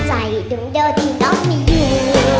ใจดุงโดดินมีอยู่